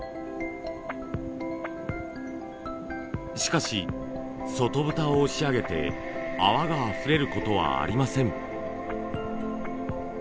しかし外蓋を押し上げて泡があふれることはありません。